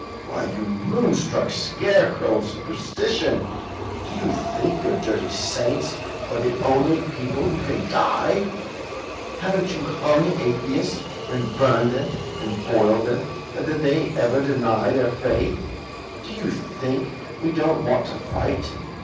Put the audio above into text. "Why, you moonstruck scarecrow of superstition, do you think your dirty saints are the only people who can die? Haven't you hung atheists, and burned them, and boiled them, and did they ever deny their faith? Do you think we don't want to fight?